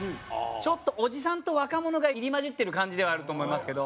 ちょっとおじさんと若者が入り交じってる感じではあると思いますけど。